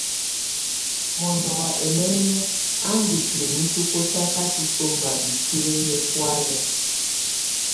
Mɔndɔ wá ɛmɛŋɛ á ndù tuinyii tú kɔtakatɔ sɔmba ikuili yɛ bɔ̀áya.